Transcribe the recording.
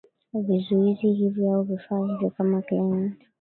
vizuizi hivi au vifaa hivi kama clement